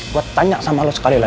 gue tanya sama lo sekali